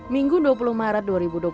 minggu dua puluh maret dua ribu dua puluh